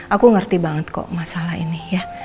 aku ngerti banget kok masalah ini ya